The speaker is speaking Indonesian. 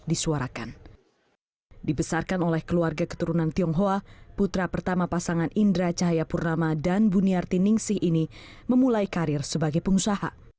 indra chayapurnama dan bunyarti ningsih ini memulai karir sebagai pengusaha